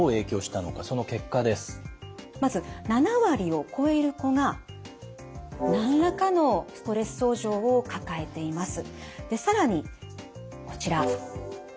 まず７割を超える子が何らかのストレス症状を抱えています。